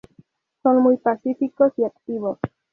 Son muy pacíficos y activos.